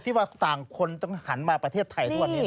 ว่าต่างคนต้องหันมาประเทศไทยทุกวันนี้